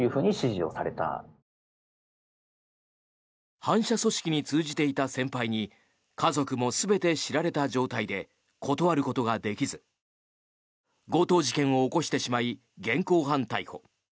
反社組織に通じていた先輩に家族も全て知られた状態で断ることができず強盗事件を起こしてしまい現行犯逮捕。